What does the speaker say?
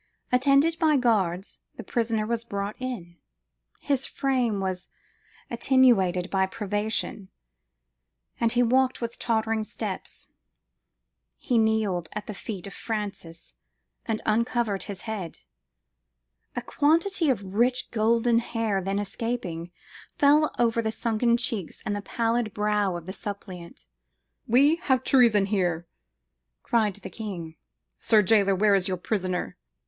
Attended by guards, the prisoner was brought in: his frame was attenuated by privation, and he walked with tottering steps. He knelt at the feet of Francis, and uncovered his head; a quantity of rich golden hair then escaping, fell over the sunken cheeks and pallid brow of the suppliant. "We have treason here!" cried the king: "sir jailor, where is your prisoner?""